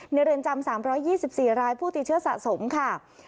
เรือนจำ๓๒๔รายผู้ติดเชื้อสะสมค่ะ